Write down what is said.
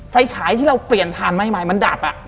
ไฟฉายที่เราเปลี่ยนฐานใหม่มันดับ